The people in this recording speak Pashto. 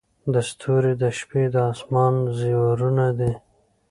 • ستوري د شپې د اسمان زیورونه دي.